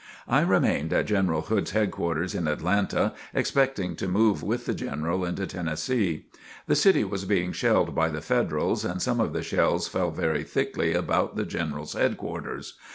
I remained at General Hood's headquarters in Atlanta, expecting to move with the General into Tennessee. The city was being shelled by the Federals, and some of the shells fell very thickly about the General's headquarters.